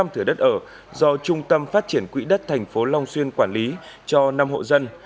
năm thửa đất ở do trung tâm phát triển quỹ đất tp long xuyên quản lý cho năm hộ dân